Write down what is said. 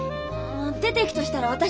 出ていくとしたら私です。